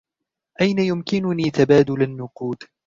أين يمكننى تبادل النقود ؟